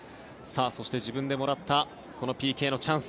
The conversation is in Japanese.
そして、自分でもらったこのＰＫのチャンス。